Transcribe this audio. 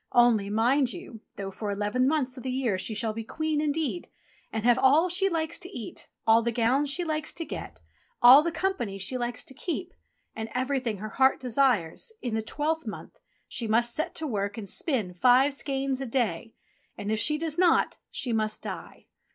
Only, mind you, though for eleven months of the year she shall be Queen indeed, and have all she likes to eat, all the gowns she likes to get, all the company she 27 2S ENGLISH FAIRY TALES likes to keep, and everything her heart desires, in the twelfth month she must set to work and spin five skeins a day, and if she does not she must die.